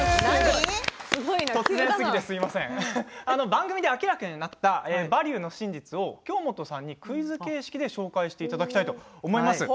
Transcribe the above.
番組で明らかになった「バリューの真実」を京本さんにクイズ形式でご紹介していただきたいと思います。